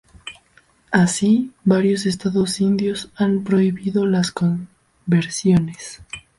Así, varios Estados indios han prohibido las conversiones.